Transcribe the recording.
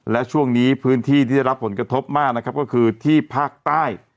และช่วงนี้พื้นที่ที่ได้รับผลกระทบมากนะครับก็คือที่ภาคใต้